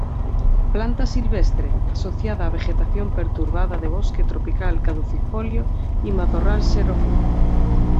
Planta silvestre, asociada a vegetación perturbada de bosque tropical caducifolio y matorral xerófilo.